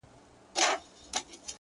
o زما د ميني ليونيه؛ ستا خبر نه راځي؛